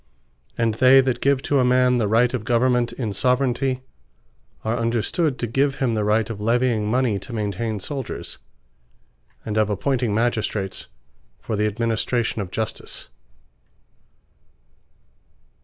And they that give to a man The Right of government in Soveraignty, are understood to give him the right of levying mony to maintain Souldiers; and of appointing Magistrates for the administration of Justice.